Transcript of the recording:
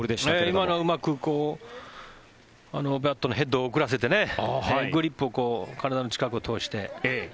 今のはうまくバットのヘッドを遅らせてグリップを体の近くを通して。